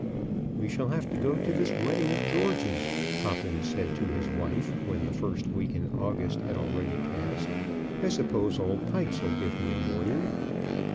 "We shall have to go to this wedding of George's," Poppins said to his wife, when the first week in August had already passed. "I suppose old Pikes 'ill give me a morning."